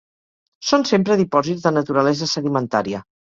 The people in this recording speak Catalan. Són sempre dipòsits de naturalesa sedimentària.